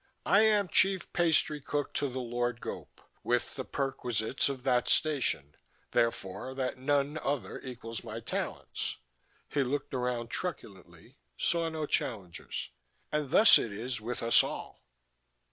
I am Chief Pastry Cook to the Lord Gope, with the perquisites of that station, therefore that none other equals my talents." He looked around truculently, saw no challengers. "And thus it is with us all."